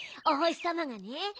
おほしさまがね